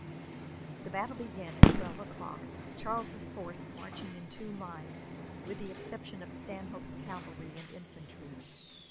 The battle began at twelve o'clock, Charles's force marching in two lines, with the exception of Stanhope's cavalry and infantry.